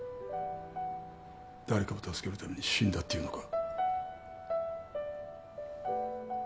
誰かを助けるために死んだっていうのか？